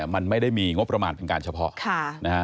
มันไม่ได้มีงบประมาณเป็นการเฉพาะนะฮะ